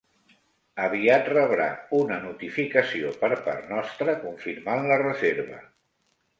Aviat rebrà una notificació per part nostra confirmant la reserva.